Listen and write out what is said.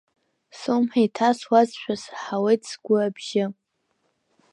Слымҳа иҭасуазшәа саҳауеит сгәы абжьы.